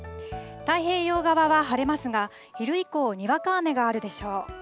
太平洋側は晴れますが、昼以降、にわか雨があるでしょう。